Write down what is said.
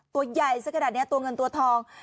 ตัวใหญ่สักขนาดนี้ตัวเงินตัวทอง